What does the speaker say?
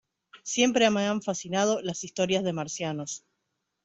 Siempre me han fascinado las historias de marcianos.